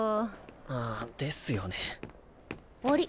ああですよね。あり？